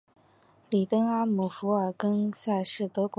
里登阿姆福尔根塞是德国巴伐利亚州的一个市镇。